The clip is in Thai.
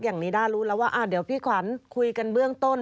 อย่างนี้ด้ารู้แล้วว่าเดี๋ยวพี่ขวัญคุยกันเบื้องต้น